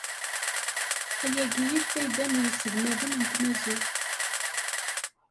Ayagi i lfayda n yiselmaden n tmaziɣt.